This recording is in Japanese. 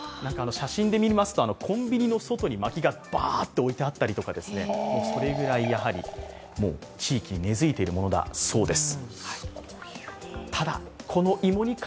写真で見ますと、コンビニの外に薪がバーッと置いてあったりとか、それぐらい地域に根づいているものだそうです。